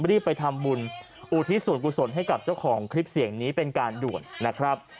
รีบไปทำบุญอุทิศส่วนกุศลให้กับเจ้าของคลิปเสียงนี้เป็นการด่วนนะครับ